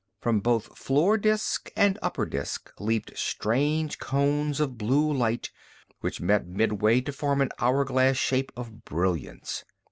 From both floor disk and upper disk leaped strange cones of blue light, which met midway to form an hour glass shape of brilliance.